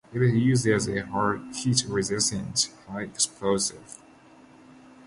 It is used as a heat-resistant high explosive.